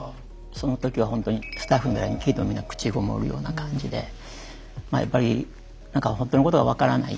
そのときはほんとにスタッフの誰に聞いてもみんな口籠もるような感じでまあやっぱり何かほんとのことが分からない。